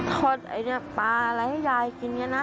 ทอดไอ้เนี่ยปลาอะไรให้ยายกินเนี่ยนะ